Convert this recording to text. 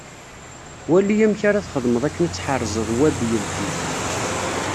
Wali amek ara txedmeḍ akken ad tḥerzeḍ Web yeldi.